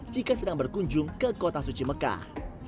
jika sedang berkunjung ke kota suci mekah